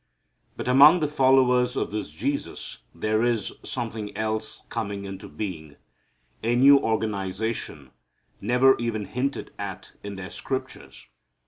But among the followers of this Jesus there is something else coming into being, a new organization never even hinted at in their Scriptures.